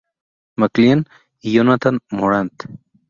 McLean y Jonathan Morant.